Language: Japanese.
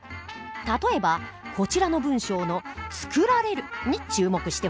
例えばこちらの文章の「作られる」に注目してほしい。